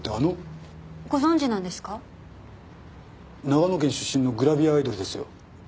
長野県出身のグラビアアイドルですよ。